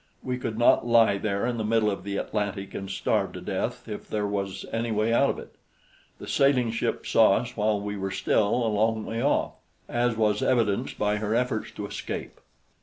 We could not lie there in the middle of the Atlantic and starve to death if there was any way out of it. The sailing ship saw us while we were still a long way off, as was evidenced by her efforts to escape.